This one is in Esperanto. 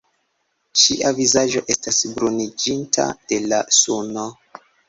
Ŝia vizaĝo estas bruniĝinta de la suno.